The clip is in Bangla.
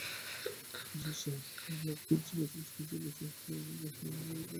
বিশ্বের বেশ কিছু দেশের রাষ্ট্রপ্রধান হিসেবে নারীরা এগিয়ে রয়েছেন।